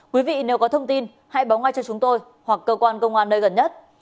quý vị nếu có thông tin hãy báo ngay cho chúng tôi hoặc cơ quan công an nơi gần nhất